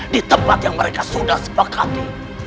di tempat yang mereka sudah sepakati